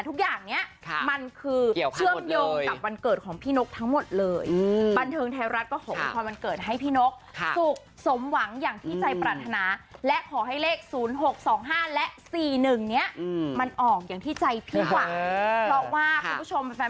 ทุกอย่างเนี่ยมันคือเชื่อมโยงกับวันเกิดของพี่นกทั้งหมดเลย